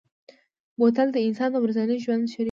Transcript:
بوتل د انسان د ورځني ژوند شریک دی.